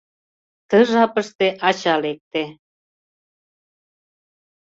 Ты жапыште ача лекте.